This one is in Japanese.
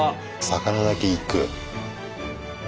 魚だけいく。